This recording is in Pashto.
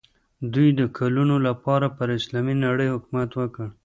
دوی د کلونو لپاره پر اسلامي نړۍ حکومت وکړ.